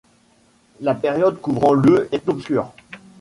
La période couvrant le est obscure.